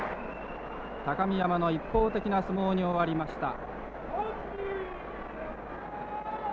高見山の一方的な相撲に終わりました。